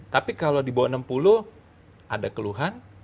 tapi kalau di bawah enam puluh ada keluhan